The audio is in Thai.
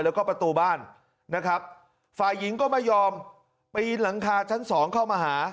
แล้วก็ประตูบ้านนะครับฝ่ายหญิงก็ไม่ยอมปีนหลังคาชั้นสองเข้ามาหา